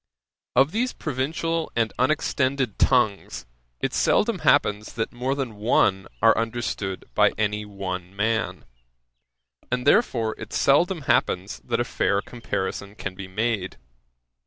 Of these provincial and unextended tongues, it seldom happens that more than one are understood by any one man; and, therefore, it seldom happens that a fair comparison can be made.